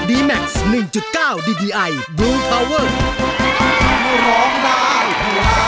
สวัสดีครับ